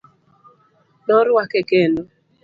Noruake kendo.